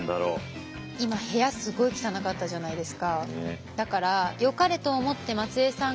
今部屋すごい汚かったじゃないですか。